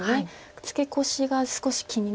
ツケコシが少し気になるので。